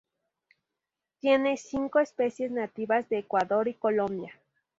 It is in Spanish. Tiene cinco especies nativas de Ecuador y Colombia.